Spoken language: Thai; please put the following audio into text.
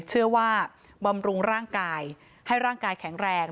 เชื่อว่าบำรุงร่างกายให้ร่างกายแข็งแรง